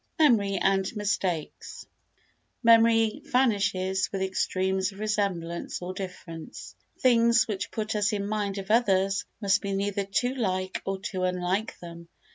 Memory and Mistakes Memory vanishes with extremes of resemblance or difference. Things which put us in mind of others must be neither too like nor too unlike them.